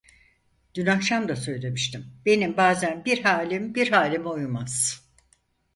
Dün akşam da söylemiştim, benim bazen bir halim bir halime uymaz.